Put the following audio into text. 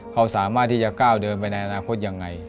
เขาสามารถที่จะก้าวเดินไปในอนาคตยังไง